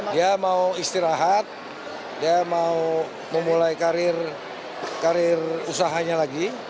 dia mau istirahat dia mau memulai karir usahanya lagi